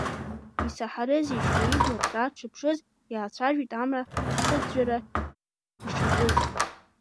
Исаҳарызеишь ҳәа ибла ҭраа дшыԥшыз, иаацәажәеит Амра, аҿыӡәӡәара ишаҿыз…